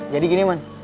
jadi gini man